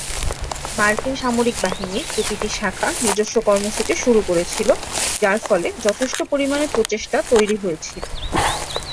মার্কিন সামরিক বাহিনীর প্রতিটি শাখা নিজস্ব কর্মসূচি শুরু করেছিল, যার ফলে যথেষ্ট পরিমাণে প্রচেষ্টা তৈরি হয়েছিল।